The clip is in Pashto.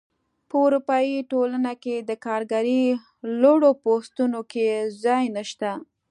په اروپايي ټولنه کې د کارګرۍ لوړو پوستونو کې ځای نشته.